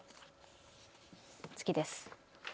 次です。